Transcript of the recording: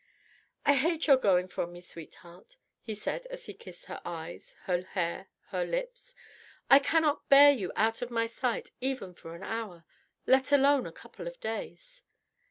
"I hate your going from me, sweetheart," he said as he kissed her eyes, her hair, her lips. "I cannot bear you out of my sight even for an hour ... let alone a couple of days."